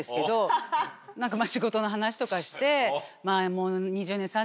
仕事の話とかして。